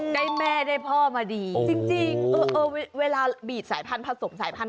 ได้แม่ได้พ่อมาดีจริงเวลาบีดสายพันธุผสมสายพันธุ